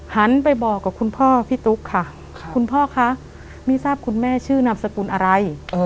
หันไปบอกกับคุณพ่อพี่ตุ๊กค่ะคุณพ่อคะไม่ทราบคุณแม่ชื่อนามสกุลอะไร